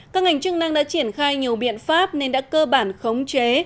các ngành chức năng đã triển khai nhiều biện pháp nên đã cơ bản khống chế